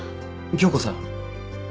響子さん。